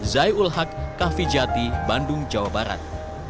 zai ul haq khafi jati bandung jawa barat